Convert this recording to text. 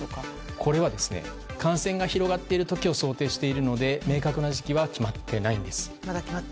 これは感染が広がっている時を想定しているので明確な時期は決まってないんです。